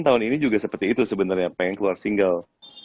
tahun ini juga seperti itu sebenarnya pengen keluar single